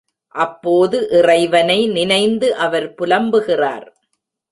அப்போது இறைவனை நினைந்து அவர் புலம்புகிறார்.